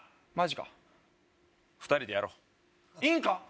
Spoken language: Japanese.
マジか２人でやろういいんか？